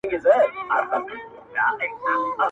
o غلبېل کوزې ته ول سورۍ٫